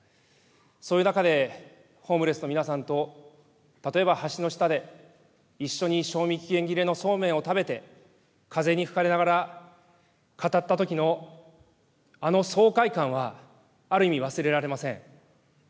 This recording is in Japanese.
そういう中で、ホームレスの皆さんと例えば橋の下で、一緒に賞味期限切れのそうめんを食べて、風に吹かれながら語ったときのあの爽快感は、ある意味、忘れられません。